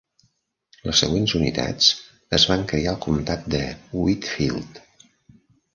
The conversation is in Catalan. Les següents unitats es van criar al comtat de Whitfield.